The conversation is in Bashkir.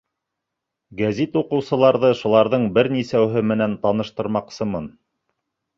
Гәзит уҡыусыларҙы шуларҙың бер нисәүһе менән таныштырмаҡсымын.